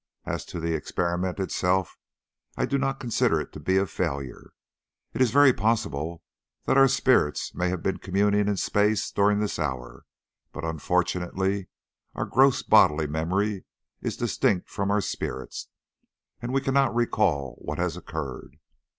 As to the experiment itself, I do not consider it to be a failure. It is very possible that our spirits may have been communing in space during this hour; but, unfortunately, our gross bodily memory is distinct from our spirit, and we cannot recall what has occurred.